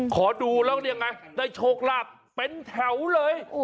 ขอดูได้โชคลาดเป็นแถวเลย